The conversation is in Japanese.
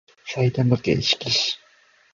埼玉県志木市